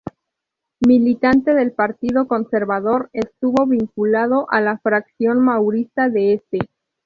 Militante del Partido Conservador, estuvo vinculado a la fracción maurista de este.